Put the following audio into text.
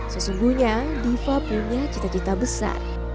sesungguhnya diva punya cita cita besar